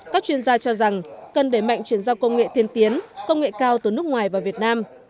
các chuyên gia cho rằng cần đẩy mạnh chuyển giao công nghệ tiên tiến công nghệ cao từ nước ngoài vào việt nam